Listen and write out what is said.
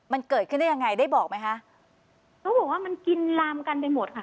มันเกิดขึ้นได้ยังไงได้บอกไหมคะเขาบอกว่ามันกินลามกันไปหมดค่ะ